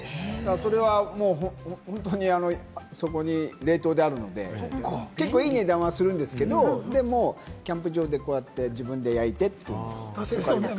それは本当にそこに冷凍であるので、結構いい値段はするんですけれども、でもキャンプ場で自分で焼いてってときありますよ。